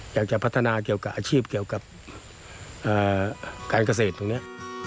อยากจะพัฒนาเกี่ยวกับอาชีพเกี่ยวกับการเกษตรตรงนี้